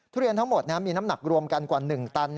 ทุเรียนทั้งหมดมีน้ำหนักรวมกันกว่า๑ตัน